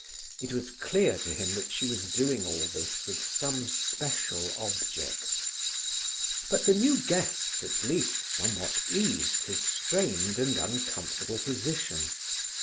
It was clear to him that she was doing all this with some special object. But the new guests at least somewhat eased his strained and uncomfortable position.